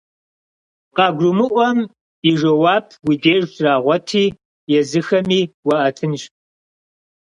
КъагурымыӀуэм и жэуап уи деж щрагъуэти, езыхэми уаӀэтынщ.